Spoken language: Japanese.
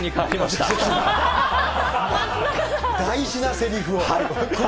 大事なせりふを。